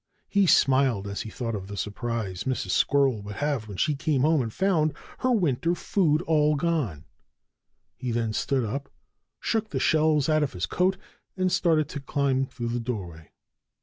He smiled as he thought of the surprise Mrs. Squirrel would have when she came home and found her winter food all gone. And then he stood up, shook the shells out of his coat, and started to climb through the doorway.